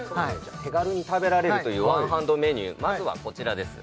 手軽に食べられるというワンハンドメニューまずはこちらです